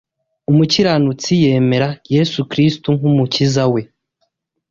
Umukiranutsi yemera Yesu Kristo nk’Umukiza we